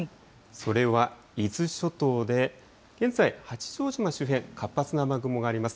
それは伊豆諸島で、現在、八丈島周辺、活発な雨雲があります。